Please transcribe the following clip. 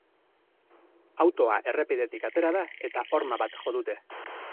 Autoa errepidetik atera da eta horma bat jo dute.